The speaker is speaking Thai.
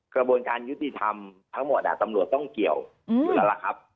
กระบวนการยุติธรรมทั้งหมดตำรวจต้องเกี่ยวอยู่แล้วล่ะครับ